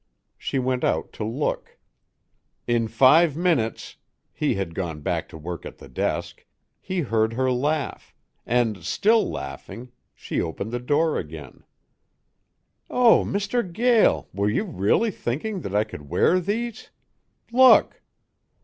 She went out to look. In five minutes he had gone back to his work at the desk he heard her laugh, and, still laughing, she opened the door again. "Oh, Mr. Gael, were you really thinking that I could wear these? Look."